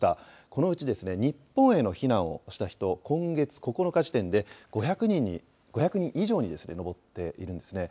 このうち日本への避難をした人、今月９日時点で５００人以上に上っているんですね。